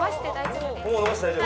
もう伸ばして大丈夫？